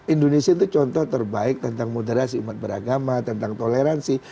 indonesia itu contoh terbaik tentang moderasi umat beragama tentang toleransi